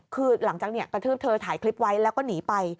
คือหลังจากกระทืบเธอถ่ายคลิปไว้แล้วก็หนีไป